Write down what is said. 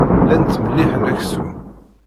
Llan ttmelliḥen aksum.